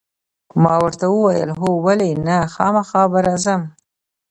ما ورته وویل: هو، ولې نه، خامخا به راځم.